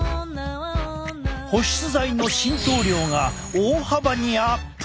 保湿剤の浸透量が大幅にアップ！